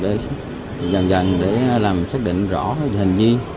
để dần dần để làm xác định rõ hình vi